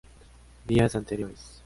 Días anteriores